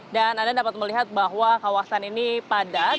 dan anda dapat melihat bahwa kawasan ini padat